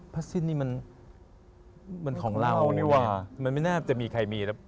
พัดสิ้นนี่มันของเรามันไม่น่าจะมีใครมี